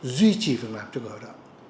duy trì việc làm cho người lợi lợi